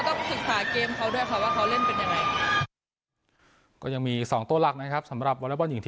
เรื่องของการสื่อสารอะไรแบบนี้ค่ะ